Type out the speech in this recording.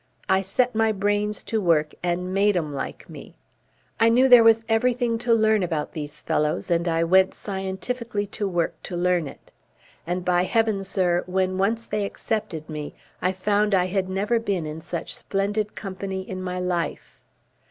I set my brains to work and made 'em like me. I knew there was everything to learn about these fellows and I went scientifically to work to learn it. And, by Heaven, sir, when once they accepted me, I found I had never been in such splendid company in my life."